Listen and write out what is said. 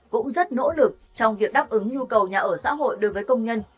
cũng rất nỗ lực trong việc đáp ứng nhu cầu nhà ở xã hội đối với công nhân